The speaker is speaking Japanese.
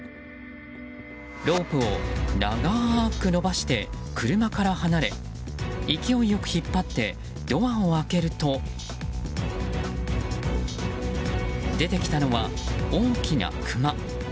ロープを長く伸ばして車から離れ勢い良く引っ張ってドアを開けると出てきたのは、大きなクマ。